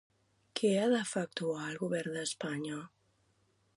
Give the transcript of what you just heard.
Què ha d'efectuar el govern d'Espanya?